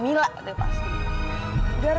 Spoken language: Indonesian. masa hal ini masihzw sandara